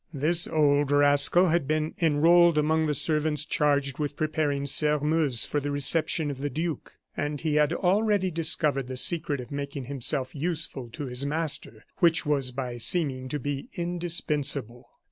This old rascal had been enrolled among the servants charged with preparing Sairmeuse for the reception of the duke; and he had already discovered the secret of making himself useful to his master, which was by seeming to be indispensable.